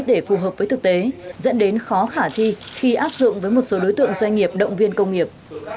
để phù hợp với thực tế dẫn đến khó khả thi khi áp dụng với một số đối tượng doanh nghiệp động viên công nghiệp